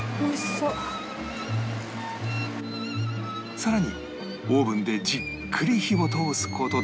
さらにオーブンでじっくり火を通す事で